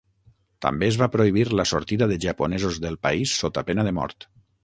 També es va prohibir la sortida de japonesos del país sota pena de mort.